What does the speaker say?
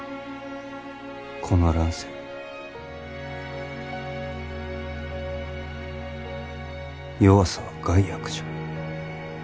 この乱世弱さは害悪じゃ。